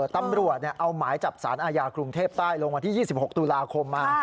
ตำรวจเอาหมายจับสารอาญากรุงเทพใต้ลงวันที่๒๖ตุลาคมมา